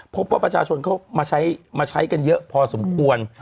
พบว่าประชาชนเข้ามาใช้กันเยอะพอสมควร